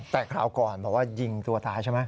แต่คราวก่อนบอกว่ายิงตัวตายใช่ไหม